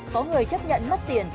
có người chấp nhận mất tiền